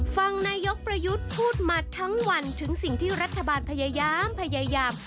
ฟังนายกประยุทธ์พูดมาทั้งวันถึงสิ่งที่รัฐบาลพยายามพยายาม